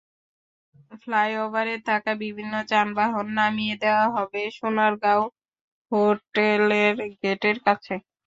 ফ্লাইওভারে থাকা বিভিন্ন যানবাহন নামিয়ে দেওয়া হবে সোনারগাঁও হোটেলের গেটের কাছে।